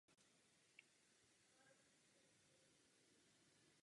Studio se ve své tvorbě zaměřuje zejména na komedie a romantické komedie.